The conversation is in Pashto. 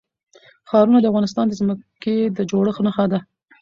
ښارونه د افغانستان د ځمکې د جوړښت نښه ده.